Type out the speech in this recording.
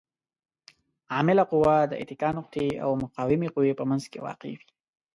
عامله قوه د اتکا نقطې او مقاومې قوې په منځ کې واقع وي.